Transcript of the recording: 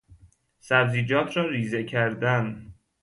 سبزیجات را ریزه کردن